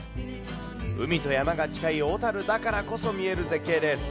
海と山が近い小樽だからこそ見える絶景です。